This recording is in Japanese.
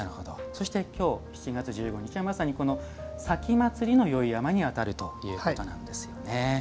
そしてきょう７月１５日はまさに前祭の宵山にあたるということなんですよね。